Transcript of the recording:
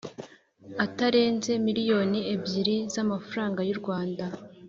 ataranze miliyoni ebyiri zamafaranga y u Rwanda